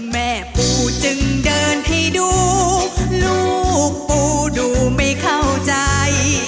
แม่ปูจึงเดินให้ดูลูกปูดูไม่เข้าใจ